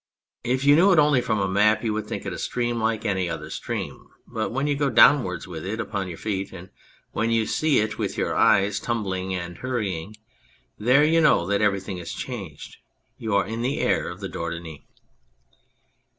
If you knew it only from the map you would think it a stream like any other stream, but when you go downwards with it upon your feet, and when you see it with your eyes, tumbling and hurrying there, you know that everything has changed you are in the air of the Dordogne.